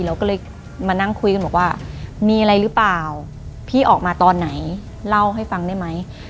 เราก็เลยมานั่งคุยกันบอกว่ามีอะไรหรือเปล่าพี่ออกมาตอนไหนเล่าให้ฟังได้ไหม